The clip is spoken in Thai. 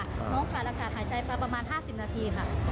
น้องขาดอากาศหายใจไปประมาณ๕๐นาทีค่ะ